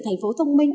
thành phố thông minh